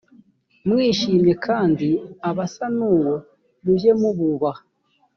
mwishimye kandi abasa n uwo mujye mububaha